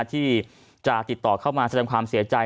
ที่จะติดต่อเข้ามาแสดงความเสียใจ